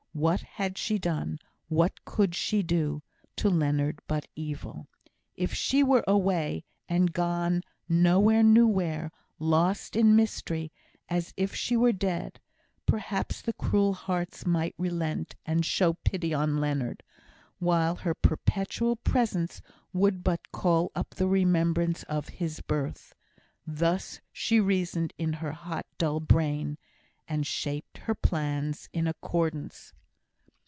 What had she done what could she do, to Leonard, but evil? If she were away, and gone no one knew where lost in mystery, as if she were dead perhaps the cruel hearts might relent, and show pity on Leonard; while her perpetual presence would but call up the remembrance of his birth. Thus she reasoned in her hot, dull brain; and shaped her plans in accordance.